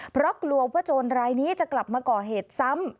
เพราะกลัวว่าโจรรายนี้จะกลับมาก่อเหตุซ้ำ